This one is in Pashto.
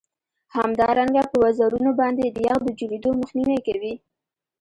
همدارنګه په وزرونو باندې د یخ د جوړیدو مخنیوی کوي